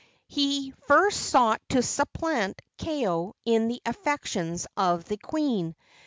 He first sought to supplant Kaeo in the affections of the queen.